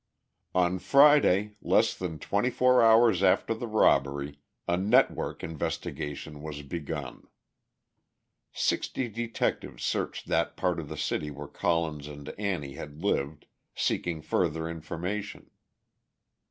On Friday, less than twenty four hours after the robbery, a "network investigation" was begun. Sixty detectives searched that part of the city where Collins and Annie had lived, seeking further information.